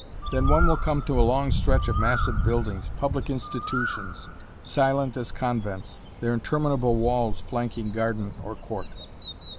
Then one will come to a long stretch of massive buildings, public institutions, silent as convents their interminable walls flanking garden or court.